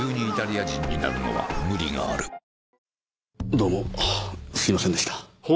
どうもすいませんでした。